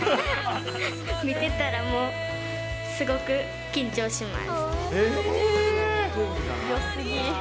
見てたらもう、すごく緊張します。